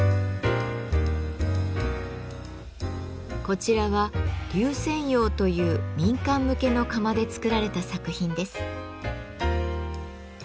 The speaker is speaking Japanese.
こちらは「龍泉窯」という民間向けの窯で作られた作品です。